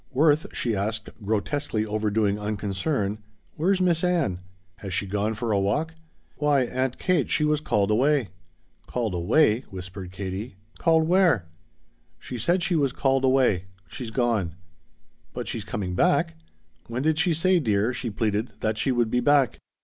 "Worth," she asked, grotesquely overdoing unconcern, "where's Miss Ann? Has she gone for a walk?" "Why, Aunt Kate, she was called away." "Called away?" whispered Katie. "Called where?" "She said she was called away. She's gone." "But she's coming back? When did she say, dear," she pleaded, "that she would be back?"